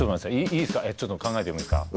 いいすかちょっと考えてもいいっすか？